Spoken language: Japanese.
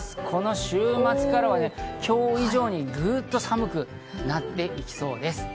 この週末から今日以上にぐっと寒くなっていきそうです。